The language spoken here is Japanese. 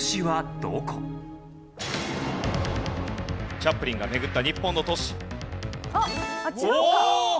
チャップリンが巡った日本の都市。